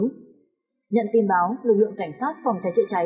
nhận tin báo lực lượng cảnh sát phòng cháy chữa cháy